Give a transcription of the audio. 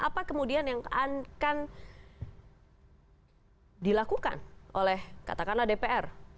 apa kemudian yang akan dilakukan oleh katakanlah dpr